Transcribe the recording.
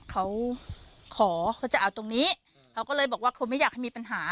เขาขอเขาจะเอาตรงนี้เขาก็เลยบอกว่าเขาไม่อยากให้มีปัญหา